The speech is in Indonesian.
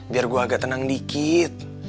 biar gue agak tenang dikit